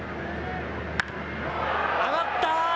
上がった！